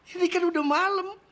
ini kan udah malem